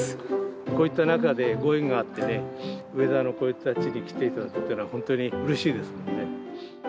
こういった中でご縁があってね、上田のこういった地域に来ていただくというのは、本当にうれしいですよね。